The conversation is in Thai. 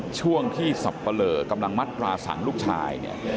ช่วงที่สัพปะเล่อกำลังมาดพระสังต์ลูกชาย